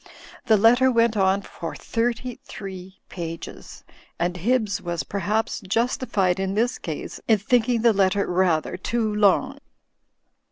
The letter went on for thirty three pages and Hibbs was perhaps justified in this case in thinking the letter rather too long.